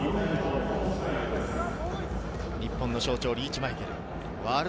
日本の象徴、リーチ・マイケル。